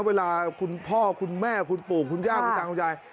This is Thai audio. เวลาคุณพ่อคุณแม่คุณปู่คุณย่าคุณตาคุณยาย